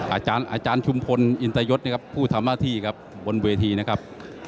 อาจารย์ชุมพลอินทรยศนะครับผู้ธรรมาธิครับบนเวทีนะครับ